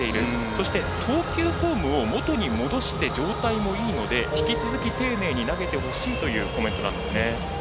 そして投球フォームを元に戻して状態もいいので引き続き丁寧に投げてほしいというコメントです。